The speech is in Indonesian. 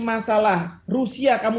masalah rusia kamu